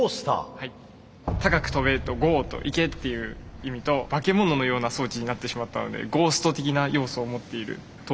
「高く跳べ」と「ゴー」と「行け」っていう意味と化け物のような装置になってしまったのでゴースト的な要素を持っているトースターということで。